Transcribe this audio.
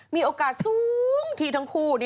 มีโอกาสสูงที่ทั้งคู่